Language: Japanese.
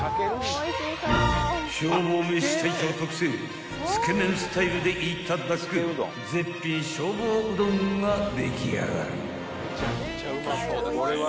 ［消防めし隊長特製つけ麺スタイルでいただく絶品消防うどんが出来上がり］